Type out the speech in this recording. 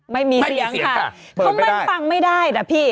ไม่มีเสียงค่ะเขาไม่ฟังไม่ได้นะพี่